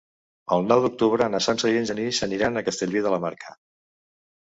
El nou d'octubre na Sança i en Genís aniran a Castellví de la Marca.